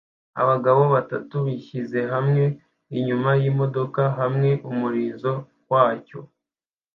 Abagabo batatu bishyize hamwe inyuma yimodoka hamwe umurizo wacyo